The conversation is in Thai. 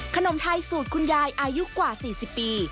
ขนมไทยสูตรคุณยายอายุกว่า๔๐ปี